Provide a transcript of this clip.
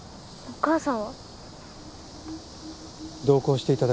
お母さん。